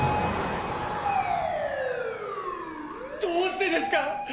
どうしてですか？